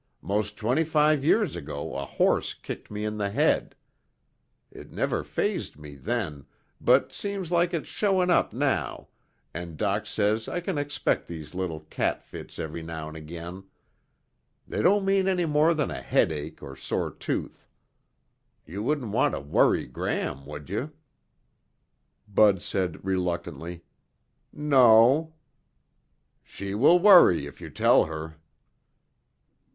'Most twenty five years ago a horse kicked me in the head. It never fazed me then, but seems like it's showing up now, and Doc says I can expect these little cat fits every now'n again. They don't mean any more than a headache or sore tooth. You wouldn't want to worry Gram, would you?" Bud said reluctantly, "No." "She will worry if you tell her."